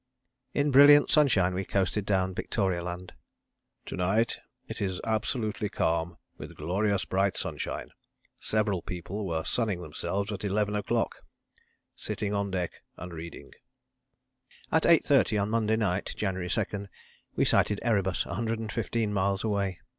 In brilliant sunshine we coasted down Victoria Land. "To night it is absolutely calm, with glorious bright sunshine. Several people were sunning themselves at 11 o'clock! Sitting on deck and reading." At 8.30 on Monday night, January 2, we sighted Erebus, 115 miles away.